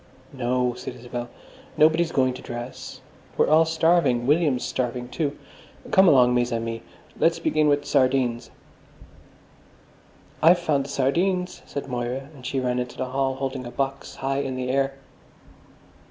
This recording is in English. "No," said Isabel, "nobody's going to dress. We're all starving. William's starving, too. Come along, mes amis, let's begin with sardines." "I've found the sardines," said Moira, and she ran into the hall, holding a box high in the air.